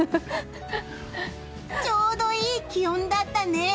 ちょうどいい気温だったね！